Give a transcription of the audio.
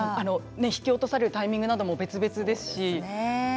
引き落とされるタイミングも別々だし。